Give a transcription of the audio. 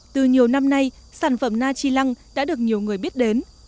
từ nhiều năm nay sản phẩm na chi lăng đã được nhiều người biết đến